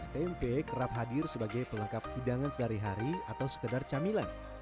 tempe kerap hadir sebagai pelengkap hidangan sehari hari atau sekedar camilan